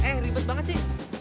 eh ribet banget sih